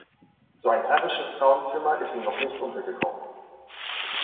So ein herrisches Frauenzimmer ist mir noch nicht untergekommen!